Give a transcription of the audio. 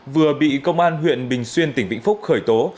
vừa bị công an huyện bình xuyên tỉnh vĩnh phúc khởi tố